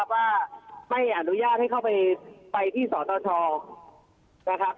ว่าไม่อนุญาตให้เข้าไปที่สตชนะครับ